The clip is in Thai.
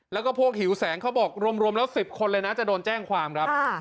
แล้วก็พวกหิวแสงเขาบอกรวมแล้ว๑๐คนเลยนะจะโดนแจ้งความครับ